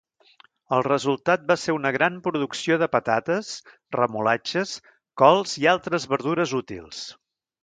El resultat va ser una gran producció de patates, remolatxes, cols i altres verdures útils.